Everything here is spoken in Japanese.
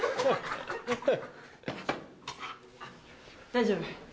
大丈夫